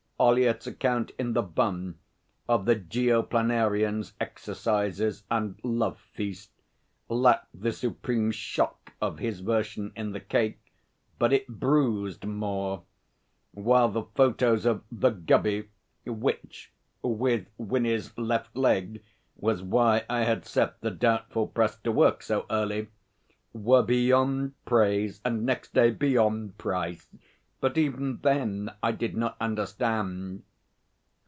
Ollyett's account in The Bun of the Geoplanarians' Exercises and Love Feast lacked the supreme shock of his version in The Cake, but it bruised more; while the photos of 'The Gubby' (which, with Winnie's left leg, was why I had set the doubtful press to work so early) were beyond praise and, next day, beyond price. But even then I did not understand.